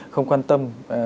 không quan tâm